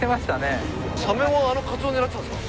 サメはあのカツオ狙ってたんすか？